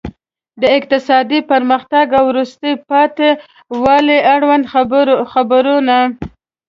د اقتصادي پرمختګ او وروسته پاتې والي اړوند خبرونه.